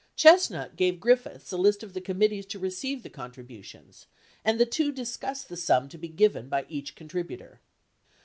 Chestnut gave Griffiths a list of the committees to receive the contribu tions and the two discussed the sum to be given by each contributor.